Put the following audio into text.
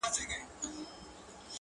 • منظور مشر ,